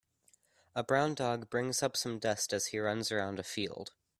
A brown dog brings up some dust as he runs around a field.